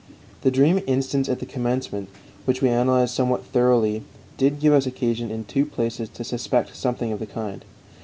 The dream instanced at the commencement, which we analyzed somewhat thoroughly, did give us occasion in two places to suspect something of the kind.